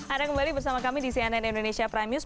ada kembali bersama kami di cnn indonesia pramius